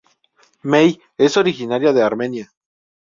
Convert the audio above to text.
Mey., es originaria de Armenia.